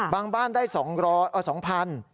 บางบ้านได้๒๐๐๐บาท